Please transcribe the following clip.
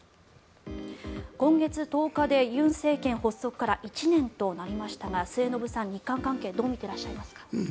今月１０日で尹政権発足から１年となりましたが末延さん、日韓関係どう見てらっしゃいますか。